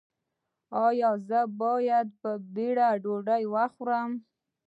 ایا زه باید په بیړه ډوډۍ وخورم؟